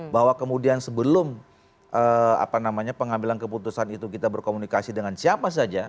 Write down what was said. bahwa kemudian sebelum pengambilan keputusan itu kita berkomunikasi dengan siapa saja